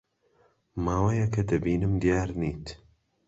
ماوەیەکە دەبینم دیار نیت.